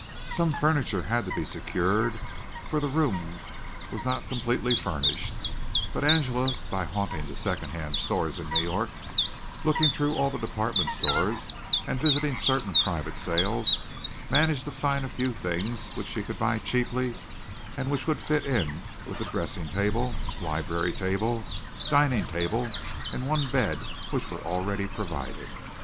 Some furniture had to be secured, for the room was not completely furnished, but Angela by haunting the second hand stores in New York, looking through all the department stores, and visiting certain private sales, managed to find a few things which she could buy cheaply and which would fit in with the dressing table, library table, dining table and one bed which were already provided.